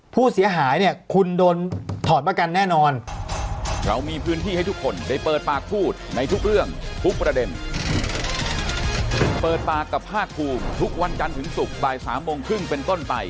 ผู้เสียหายเนี่ยคุณโดนถอดประกันแน่นอน